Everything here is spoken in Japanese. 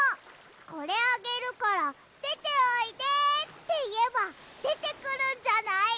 これあげるからでておいでっていえばでてくるんじゃない！？